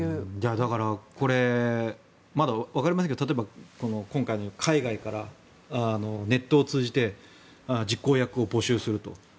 だからまだわかりませんけど例えば、今回のように海外からネットを通じて実行役を募集すると。